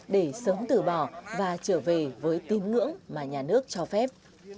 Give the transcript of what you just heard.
để sớm từ bỏ và trở về với tín ngưỡng mà nhà nước cho phép